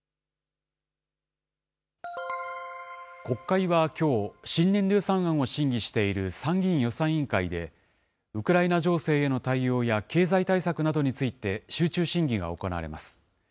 国会はきょう、新年度予算案を審議している参議院予算委員会で、ウクライナ情勢への対応や経済対策などについて、集中審議が行われます。